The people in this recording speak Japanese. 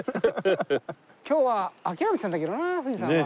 今日は諦めてたんだけどな富士山は。